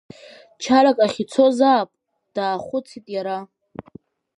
Чарак ахь ицозаап, даахәыцит иара.